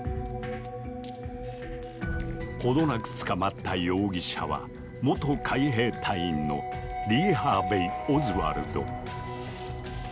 程なく捕まった容疑者は元海兵隊員のリー・ハーベイ・オズワルド。